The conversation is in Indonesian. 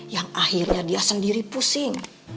yang akhirnya dia sendiri pusing